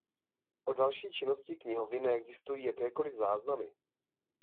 O další činnosti knihovny neexistují jakékoliv záznamy.